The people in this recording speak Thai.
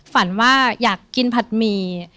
ฝันว่าอยากกินผัดหมี่